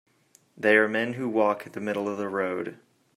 They are men who walk the middle of the road.